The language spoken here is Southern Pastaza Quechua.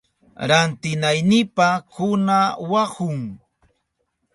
Rantinaynipa kunawahun.